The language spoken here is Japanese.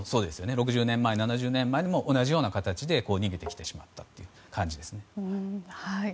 ６０年前、７０年前にも同じような形で逃げてきてしまった感じです。